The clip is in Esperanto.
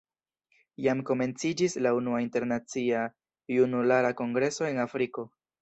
Jam komenciĝis la unua Internacia Junulara Kongreso en Afriko.